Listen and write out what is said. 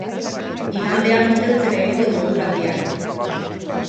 Igandean moteltzera egingo du eguraldiak.